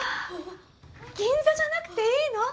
銀座じゃなくていいの？